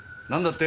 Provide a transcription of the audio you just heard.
って